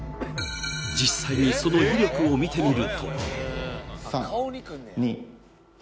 実際にその威力を見てみると３２１